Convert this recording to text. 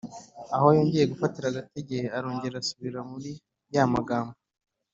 aho yongeye gufatira agatege arongera asubira muri ya magambo